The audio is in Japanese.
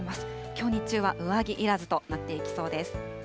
きょう日中は上着いらずとなっていきそうです。